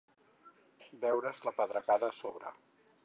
Veure's la pedregada a sobre.